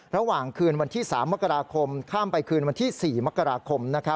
ระหว่างคืนวันที่๓มกราคมข้ามไปคืนวันที่๔มกราคม